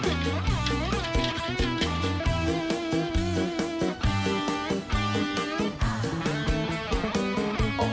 tuh tarik kum